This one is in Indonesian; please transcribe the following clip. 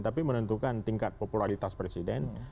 tapi menentukan tingkat popularitas presiden